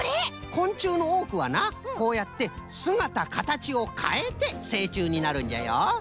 こんちゅうのおおくはなこうやってすがたかたちをかえてせいちゅうになるんじゃよ。